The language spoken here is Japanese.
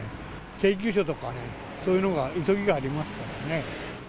請求書とかね、そういうのが、急ぎがありますからね。